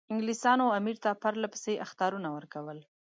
انګلیسانو امیر ته پرله پسې اخطارونه ورکول.